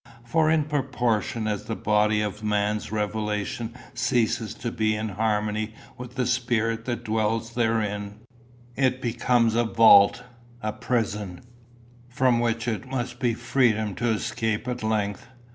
For in proportion as the body of man's revelation ceases to be in harmony with the spirit that dwells therein, it becomes a vault, a prison, from which it must be freedom to escape at length.